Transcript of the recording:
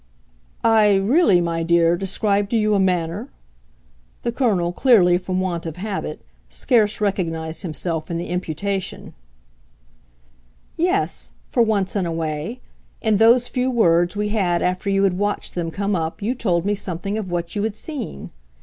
"I really, my dear, described to you a manner?" the Colonel, clearly, from want of habit, scarce recognised himself in the imputation. "Yes for once in a way; in those few words we had after you had watched them come up you told me something of what you had seen.